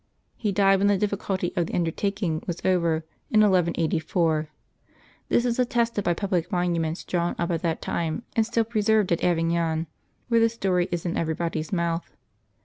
He died when the difficulty of the undertaking was over, in 1184. This is attested by public monuments drawn up at that time and still preserved at Avignon, where the story is in everybody's mouth.